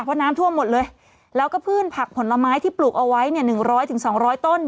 เพราะน้ำถั่วหมดเลยแล้วก็พลูกผลไม้ที่ปลูกเอาไว้๑๐๐๒๐๐ต้น